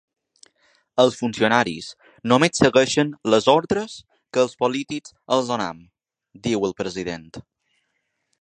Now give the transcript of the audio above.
Els funcionaris només segueixen les ordres que els polítics els donem, diu el president.